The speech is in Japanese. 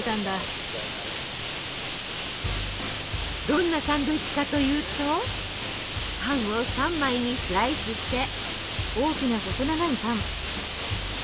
どんなサンドイッチかというとパンを３枚にスライスして。